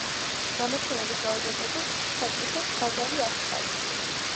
გამოცემების რაოდენობით „საწყისებს“ ბადალი არ ჰყავს.